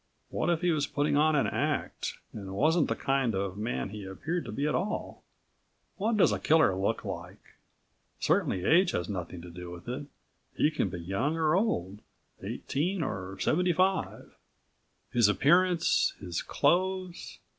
What if he was putting on an act, and wasn't the kind of man he appeared to be at all? What does a killer look like? Certainly age had nothing to do with it. He can be young or old eighteen or seventy five. His appearance, his clothes?